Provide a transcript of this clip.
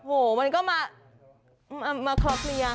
โหมันก็มาคอเคลียร์